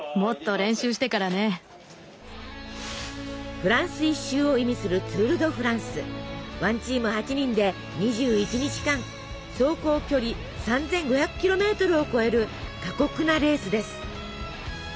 「フランス一周」を意味する１チーム８人で２１日間走行距離３，５００ｋｍを超える過酷なレースです。